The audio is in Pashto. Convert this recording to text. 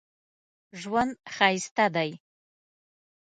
ژوند ښایسته دی